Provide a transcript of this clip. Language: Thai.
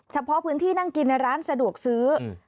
เฉพาะพื้นที่นั่งกินในร้านสะดวกซื้อ